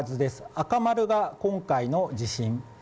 赤丸が今回の地震。